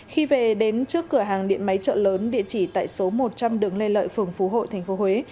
khi về đến trước cửa hàng điện máy chợ lớn địa chỉ tại số một trăm linh đường lê lợi phường phú hội tp huế